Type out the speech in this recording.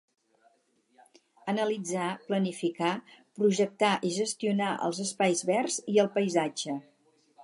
Analitzar, planificar, projectar i gestionar els Espais verds i el Paisatge.